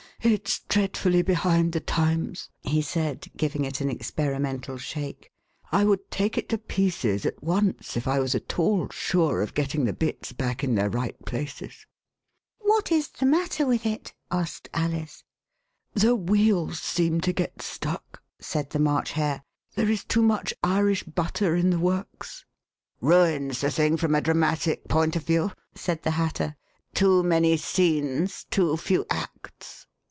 It's dreadfully behind the times," he said, giving it an experimental shake. I would take it to pieces at once if I was at all sure of getting the bits back in their right places." What is the matter with it?" asked Alice. The wheels seem to get stuck," said the March Hare. '* There is too much Irish butter in the works. "" Ruins the thing from a dramatic point of view," said the Hatter ;too many scenes, too few acts."